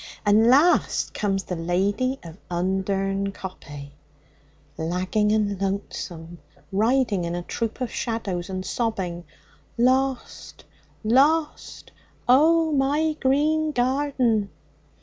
And last comes the lady of Undern Coppy, lagging and lonesome, riding in a troop of shadows, and sobbing, "Lost lost! Oh, my green garden!"